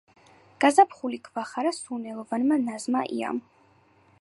გაზაფხული გვახარა სურნელოვანმა ნაზმა იამ